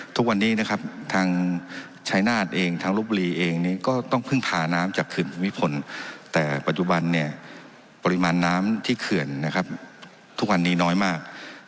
ทุกวันนี้นะครับทางชายนาฏเองทางลบบุรีเองนี้ก็ต้องพึ่งพาน้ำจากเขื่อนภูมิพลแต่ปัจจุบันเนี่ยปริมาณน้ำที่เขื่อนนะครับทุกวันนี้น้อยมาก